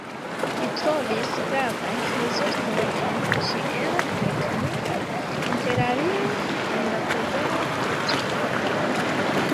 Li trovis gravajn rezultoj en ĉiela mekaniko, interalie en la problemo de tri korpoj.